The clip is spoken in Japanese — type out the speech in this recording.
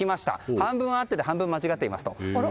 半分合ってて半分間違っていますと。